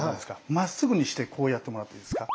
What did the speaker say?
まっすぐにしてこうやってもらっていいですか。